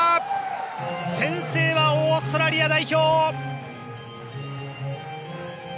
先制はオーストラリア代表。